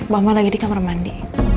mba mba lagi di kamar mandi